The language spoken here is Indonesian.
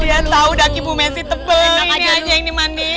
dia tau dah ibu messi tebel ini aja yang dimandiin